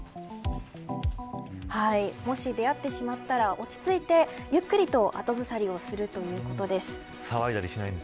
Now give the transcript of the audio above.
もし出合ってしまったら落ち着いてゆっくりと後ずさりをするということです。